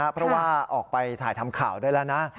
เพราะว่าออกไปถ่ายทำข่าวได้แล้วนะ